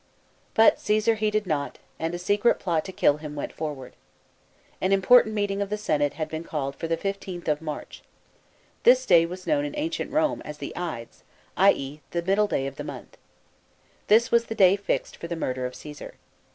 But Caesar heeded not, and a secret plot, to kill him, went forward. An important meeting of the Senate had been called for the 15th of March. The day was known in ancient Rome, as the Ides i.e., the middle day of the month. This was the day fixed for the murder of Caesar.